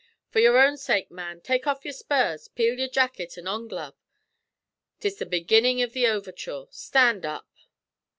'For your own sake, man, take off your spurs, peel your jackut, and onglove. 'Tis the beginnin' av the overture. Stand up!"